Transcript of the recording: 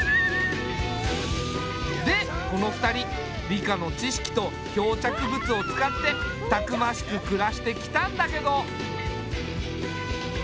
でこの２人理科の知識と漂着物を使ってたくましく暮らしてきたんだけど。